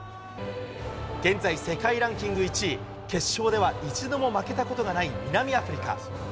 現在、世界ランキング１位、決勝では一度も負けたことがない南アフリカ。